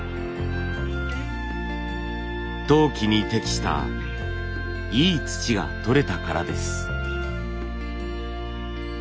陶器に適したいい土がとれたからです。